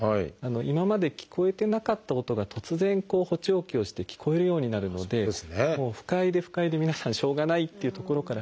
今まで聞こえてなかった音が突然補聴器をして聞こえるようになるので不快で不快で皆さんしょうがないっていうところから始まる。